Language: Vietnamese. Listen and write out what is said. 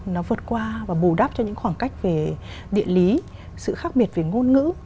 nó vượt qua và bù đắp cho những khoảng cách về địa lý sự khác biệt về ngôn ngữ